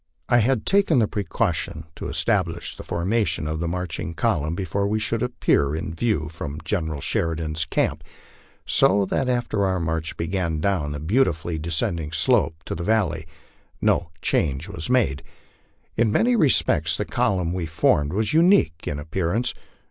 I had taken the precaution to establish the formation of the inarching column before we should appear in view from General Sheridan's camp, sc 182 LIFE ON THE PLAINS. that after our inarch began down the beautifully descending slope to the val ley, no change was made. In many respects the column we formed was unique in appearance.